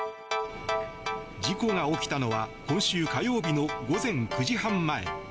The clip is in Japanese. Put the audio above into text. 事故が起きたのは今週火曜日の午前９時半前。